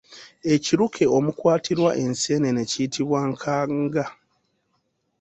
Ekiruke omukwatirwa enseenene kiyitibwa nkanga.